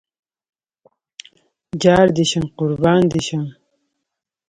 جار دې شم قربان دې شم